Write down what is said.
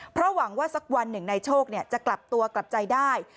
เพราะหวังว่าสักวันหนึ่งนายโชคจะกลับตัวกลับใจได้